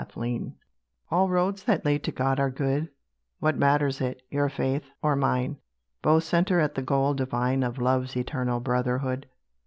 THE GOAL All roads that lead to God are good; What matters it, your faith, or mine; Both centre at the goal divine Of love's eternal Brotherhood.